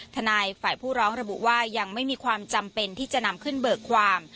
ทนายฝ่ายผู้ร้องระบุว่ายังไม่มีความจำเป็นที่จะนำขึ้นเบิกความ